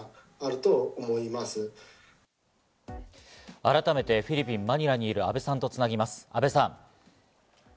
改めてフィリピンのマニラにいる阿部さんと繋ぎます、阿部さん。